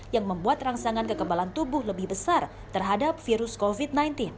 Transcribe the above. yang membuat rangsangan kekebalan tubuh lebih besar terhadap virus covid sembilan belas